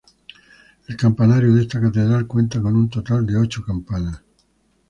El campanario de esta Catedral cuenta con un total de ocho campanas.